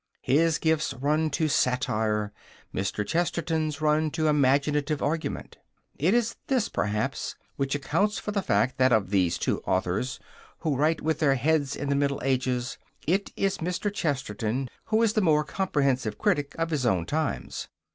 His gifts run to satire, as Mr. Chesterton's run to imaginative argument. It is this, perhaps, which accounts for the fact that, of these two authors, who write with their heads in the Middle Ages, it is Mr. Chesterton who is the more comprehensive critic of his own times.